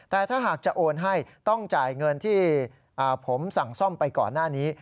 แต่ถ้าหากจะโอนให้ต้องจ่ายเงินที่ผมสั่งซ่อมไปก่อนหน้านี้